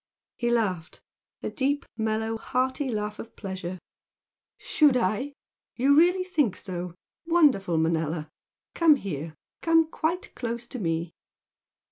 He laughed a deep, mellow, hearty laugh of pleasure. "Should I? You really think so? Wonderful Manella? Come here! come quite close to me!"